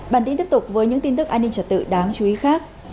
bản tin tiếp tục với những tin tức an ninh trật tự đáng chú ý khác